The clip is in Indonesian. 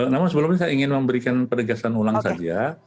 namun sebelumnya saya ingin memberikan perdegasan ulang saja